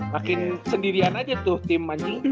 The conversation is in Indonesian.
makin sendirian aja tuh tim manyum